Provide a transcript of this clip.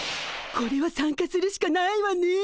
これは参加するしかないわね。